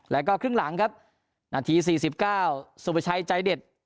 แล้วก็ครึ่งหลังครับนาทีสี่สิบเก้าสุบชัยใจเด็ด